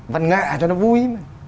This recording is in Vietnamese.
văn nghệ cho nó vui